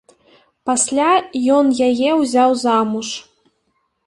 Пасля ён яе ўзяў замуж.